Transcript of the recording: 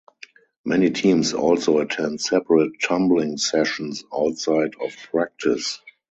Many teams also attend separate tumbling sessions outside of practice.